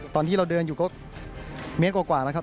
ตอนที่เราเดินอยู่ก็เมตรกว่าแล้วครับ